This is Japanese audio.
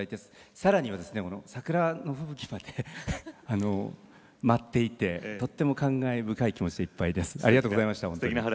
さらには桜吹雪まで舞っていてとても感慨深い気持ちでいっぱいです。